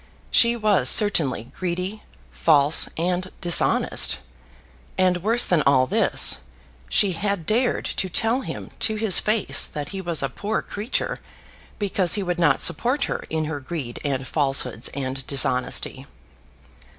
She was certainly greedy, false, and dishonest. And, worse than all this, she had dared to tell him to his face that he was a poor creature because he would not support her in her greed, and falsehoods, and dishonesty!